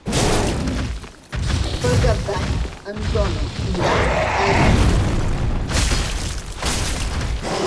Per Cap d'Any en Ton irà a Ibi.